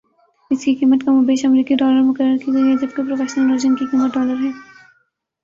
اسکی قیمت کم و بیش امریکی ڈالر مقرر کی گئ ہے جبکہ پروفیشنل ورژن کی قیمت ڈالر ہے